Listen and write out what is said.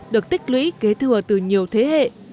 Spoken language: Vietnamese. được tích lũy kế thừa từ nhiều thế hệ